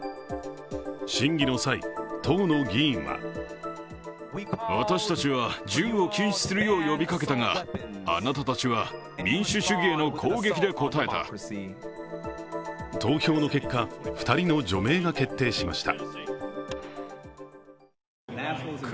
審議の際、当の議員は投票の結果、２人の除名が決定しました。